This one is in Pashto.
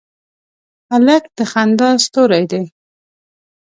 هلک د خندا ستوری دی.